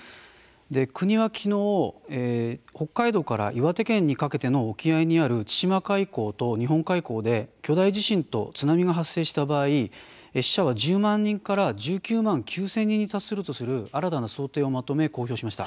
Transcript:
国は、きのう北海道から岩手県にかけての沖合にある千島海溝と日本海溝で巨大地震と津波が発生した場合死者は１０万人から１９万９０００人に達するとする新たな想定をまとめ公表しました。